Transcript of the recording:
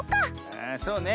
ああそうね。